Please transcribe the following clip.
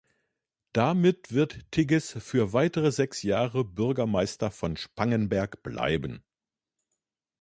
Damit wird Tigges für weitere sechs Jahre Bürgermeister von Spangenberg bleiben.